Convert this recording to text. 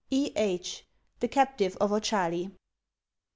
— E. H. : The Captive of Ochali.